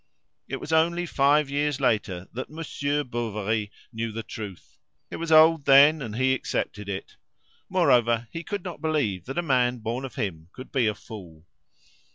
It was only five years later that Monsieur Bovary knew the truth; it was old then, and he accepted it. Moreover, he could not believe that a man born of him could be a fool.